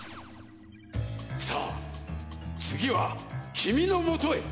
さあつぎはきみのもとへ！